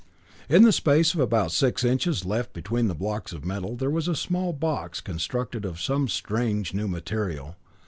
In the space of about six inches left between the blocks of metal, there was a small box constructed of some strange new material.